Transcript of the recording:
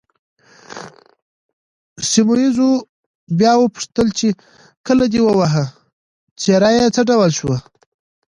سیمونز بیا وپوښتل چې، کله دې وواهه، څېره یې څه ډول شوه؟